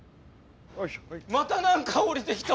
また何か降りてきた！